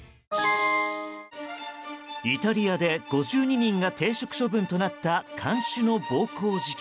イタリアで５２人が停職処分となった看守の暴行事件。